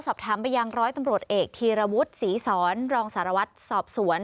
สอบถามไปยังร้อยตำรวจเอกธีรวุฒิศรีสอนรองสารวัตรสอบสวน